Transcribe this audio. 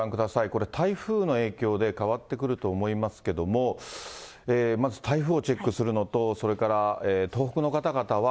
これ、台風の影響で変わってくると思いますけども、まず、台風をチェックするのと、それから東北の方々は、